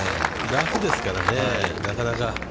ラフですからね、なかなか。